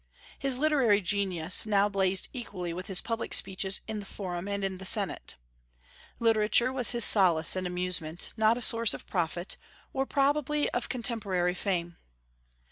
His literary genius now blazed equally with his public speeches in the Forum and in the Senate. Literature was his solace and amusement, not a source of profit, or probably of contemporary fame.